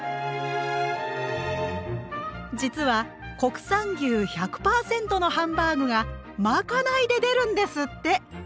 実は国産牛１００％のハンバーグがまかないで出るんですって！